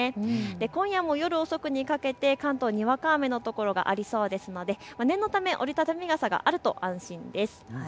今夜も夜遅くにかけて関東にわか雨の所がありそうですので念のため折り畳み傘があると安心です。